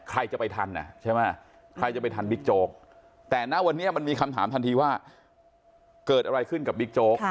ใครจะไปทันใช่ไหมใครจะไปทันบิ๊กโจ๊กแต่ณวันนี้มันมีคำถามทันทีว่าเกิดอะไรขึ้นกับบิ๊กโจ๊ก